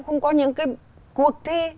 không có những cái cuộc thi